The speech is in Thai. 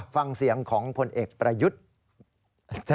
ฟังเสียงของผลเอกประยุทธ์